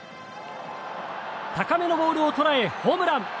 高めのボールを捉えホームラン。